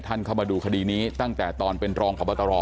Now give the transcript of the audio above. เข้ามาดูคดีนี้ตั้งแต่ตอนเป็นรองพบตร